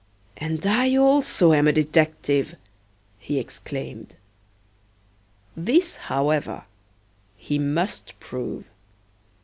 "And I also am a detective!" he exclaimed. This, however, he must prove.